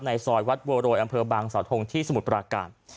ในซอยวัดโบโรยอำเภอบางสาธงศ์ที่สมุทรปราการ